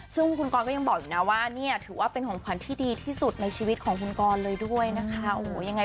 ซึ่งคุณกรก็ยังบอกอยู่นะว่าเนี่ยถือว่าเป็นของขวัญที่ดีที่สุดในชีวิตของคุณกรเลยด้วยนะคะ